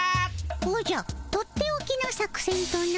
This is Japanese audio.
おじゃとっておきの作戦とな？